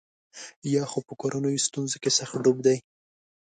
یا خو په کورنیو ستونزو کې سخت ډوب دی.